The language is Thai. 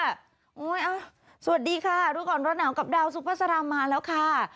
สวัสดีค่ะรู้ก่อนร้อนหนาวกับดาวซุภาษารามาแล้วค่ะ